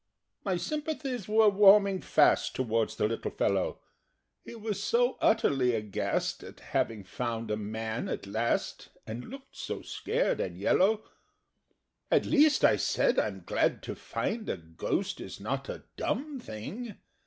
My sympathies were warming fast Towards the little fellow: He was so utterly aghast At having found a Man at last, And looked so scared and yellow. [Illustration: "IN CAVERNS BY THE WATER SIDE"] "At least," I said, "I'm glad to find A Ghost is not a dumb thing!